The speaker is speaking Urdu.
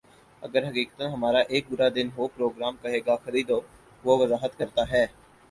اگر حقیقتا ہمارا ایک برا دن ہو پروگرام کہے گا خریدو وہ وضاحت کرتا ہے